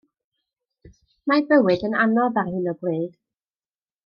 Mae bywyd yn anodd ar hyn o bryd.